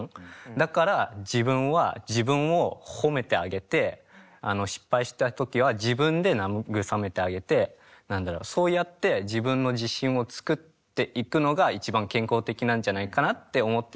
だから自分は自分を褒めてあげて失敗した時は自分で慰めてあげて何だろうそうやって自分の自信を作っていくのが一番健康的なんじゃないかなって思ってて。